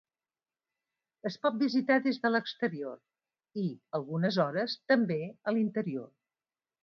Es pot visitar des de l'exterior i, algunes hores, també a l'interior.